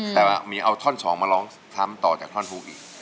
แต่ว่ามีเอาท่อน๒มาร้องทรัมป์ต่อจากท่อนพุกอีก